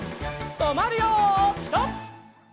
とまるよピタ！